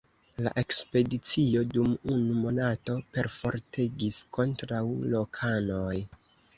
La ekspedicio dum unu monato perfortegis kontraŭ lokanoj.